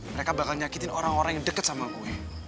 mereka bakal nyakitin orang orang yang deket sama gue